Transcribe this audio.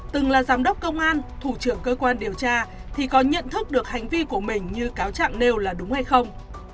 từng là giám đốc công an thủ trưởng cơ quan điều tra thì có nhận thức được hành vi của mình như cáo trạng nêu là đúng hay không